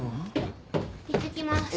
いってきます。